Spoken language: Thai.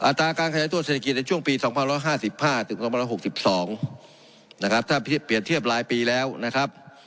ตราการขยายตัวเศรษฐกิจในช่วงปี๒๕๕ถึง๒๖๒นะครับถ้าเปรียบเทียบรายปีแล้วนะครับ